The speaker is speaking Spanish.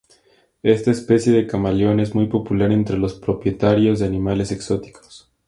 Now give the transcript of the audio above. Esta especie de camaleón es muy popular entre los propietarios de animales exóticos.